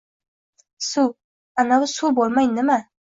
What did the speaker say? — Suv? Anavi suv bo‘lmay, nima?!